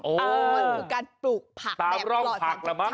โอ้แหละอันนั้นก็อย่างกับการปลูกผัก